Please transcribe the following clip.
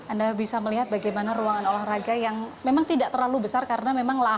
anda bisa melihat bagaimana ruangan olahraga yang memang tidak terlalu besar karena memang lahan